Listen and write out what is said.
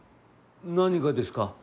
何がですか。